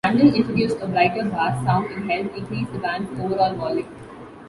Randall introduced a brighter bass sound and helped increase the band's overall volume.